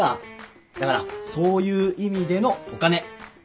だからそういう意味でのお金。